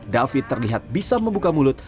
david terlihat bisa membuka mulut